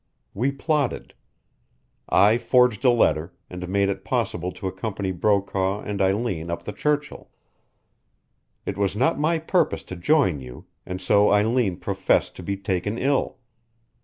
We plotted. I forged a letter, and made it possible to accompany Brokaw and Eileen up the Churchill. It was not my purpose to join you, and so Eileen professed to be taken ill.